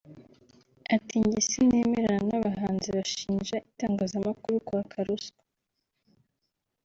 Ati ”Njye sinemerana n’abahanzi bashinja itangazamakuru kwaka ruswa